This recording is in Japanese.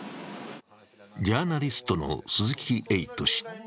ジャーナリストの鈴木エイト氏。